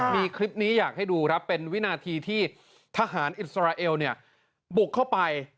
มีคลิปนี้อยากให้ดูครับเป็นวินาทีที่ทหารอิสราเอลบุกเข้าไป